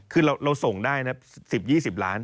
คือเราส่งได้นะ๑๐๒๐ล้าน